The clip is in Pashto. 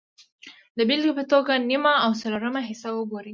د بېلګې په توګه نیم او څلورمه حصه وګورئ